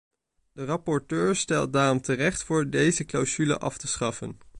De rapporteur stelt daarom terecht voor deze clausule af te schaffen.